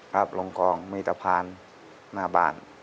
ลงคลองมีสะพานหน้าบ้าน